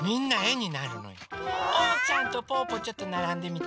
おうちゃんとぽぅぽちょっとならんでみて。